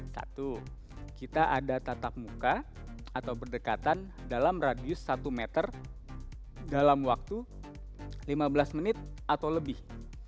satu kita ada tatap muka atau berdekatan dalam radius satu meter dalam waktu lima belas menit atau lebih